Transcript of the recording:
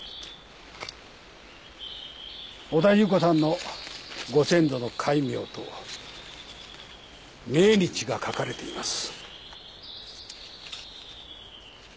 小田夕子さんのご先祖の戒名と命日が書かれています。